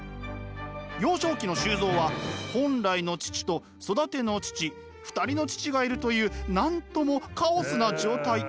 幼少期の周造は本来の父と育ての父２人の父がいるというなんともカオスな状態。